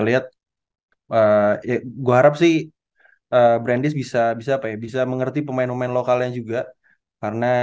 lihat ya gua harap sih brandes bisa bisa apa ya bisa mengerti pemain pemain lokalnya juga karena